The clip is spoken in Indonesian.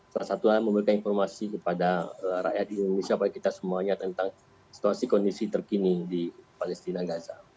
salah satunya memberikan informasi kepada rakyat indonesia kepada kita semuanya tentang situasi kondisi terkini di palestina gaza